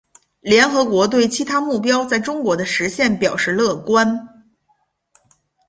联合国对其他目标在中国的实现表示乐观。